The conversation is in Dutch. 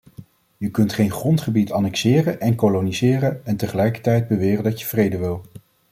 Je kunt geen grondgebied annexeren en koloniseren en tegelijkertijd beweren dat je vrede wil.